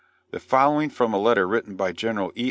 The following from a letter written by General E.